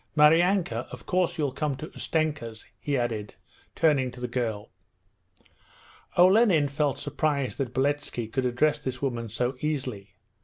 Maryanka, of course you'll come to Ustenka's?' he added, turning to the girl. Olenin felt surprised that Beletski could address this woman so easily.